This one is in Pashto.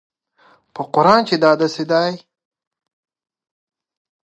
زده کړه نجونو ته د پریزنټیشن مهارت ورکوي.